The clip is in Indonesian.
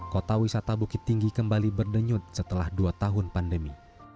kota wisata bukit tinggi kembali berdenyut setelah dua tahun pandemi